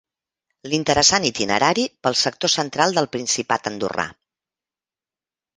L'interessant itinerari pel sector central del principat andorrà.